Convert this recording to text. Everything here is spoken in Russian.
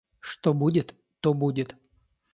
Что будет, то будет!